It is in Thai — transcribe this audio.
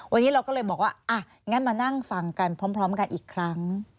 วันนี้เราก็เลยบอกว่าอ่ะงั้นมานั่งฟังกันพร้อมกันอีกครั้ง